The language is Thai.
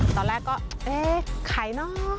ตอนแรกก็เอ๊ะไข่เนอะ